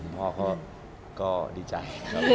พ่อก็ดีใจ